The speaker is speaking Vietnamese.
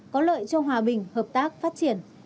có lợi cho hòa bình hợp tác phát triển